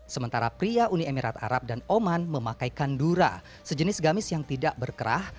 sementara pria uni emirat arab dan oman memakai kandura sejenis gamis yang tidak berkerah